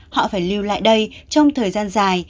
họ phải lưu lại đây trong thời gian dài